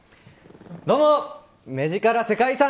どうも、目力世界遺産！